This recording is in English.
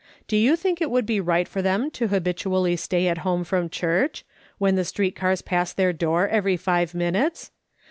J)o you think it would be right for them to habitually stay at home from church, when the street cars pass their door every five minutes